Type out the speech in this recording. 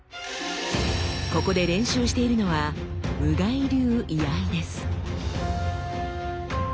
ここで練習しているのは「無外流居合」です。